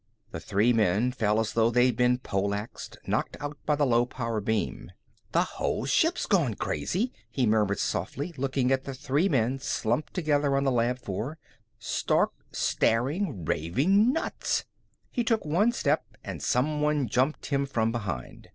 The three men fell as though they'd been pole axed, knocked out by the low power beam. "The whole ship's gone crazy," he murmured softly, looking at the three men slumped together on the lab floor. "Stark, staring, raving nuts." He took one step and someone jumped him from behind.